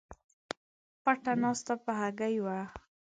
پټه ناسته په هګۍ وای